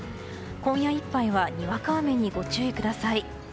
今夜いっぱいはにわか雨にご注意ください。